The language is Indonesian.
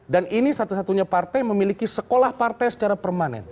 dan ini satu satunya partai memiliki sekolah partai secara permanen